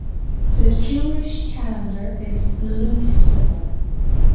The Jewish calendar is lunisolar.